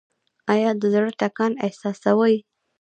ایا د زړه ټکان احساسوئ؟